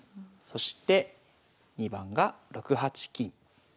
そして２番が６八金。